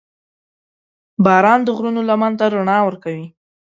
• باران د غرونو لمن ته رڼا ورکوي.